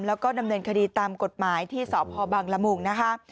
แล้วก็ดำเนินคดีตามกฎหมายที่สพบังละมุงนะคะ